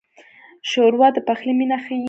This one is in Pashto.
ښوروا د پخلي مینه ښيي.